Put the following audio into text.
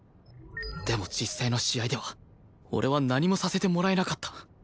でも実際の試合では俺は何もさせてもらえなかった